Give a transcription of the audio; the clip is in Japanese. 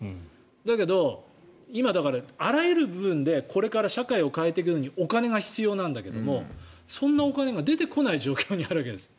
だけど、今、あらゆる部分でこれから社会を変えていくのにお金が必要なんだけれどもそんなお金が出てこない状況にあるわけです。